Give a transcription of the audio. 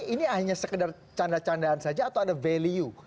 ini hanya sekedar canda candaan saja atau ada value